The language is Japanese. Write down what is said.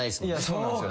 そうなんですよ。